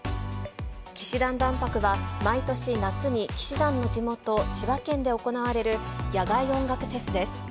氣志團万博は、毎年夏に氣志團の地元、千葉県で行われる野外音楽フェスです。